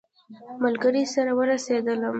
ملګري سره ورسېدلم.